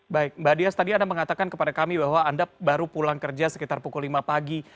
baik mbak dias tadi anda mengatakan kepada kami bahwa anda baru pulang kerja sekitar pukul lima pagi